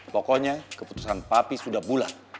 pokoknya keputusan papi sudah bulat